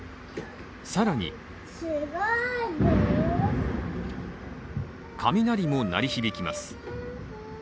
更に雷も鳴り響きます。